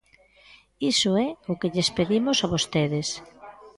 Iso é o que lles pedimos a vostedes.